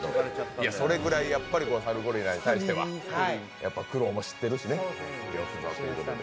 それぐらいサルゴリラに対しては苦労も知っているということで。